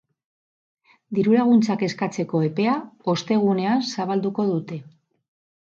Dirulaguntzak eskatzeko epea ostegunean zabalduko dute.